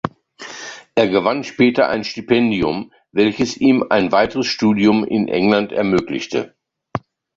Er gewann später ein Stipendium, welches ihm ein weiteres Studium in England ermöglichte.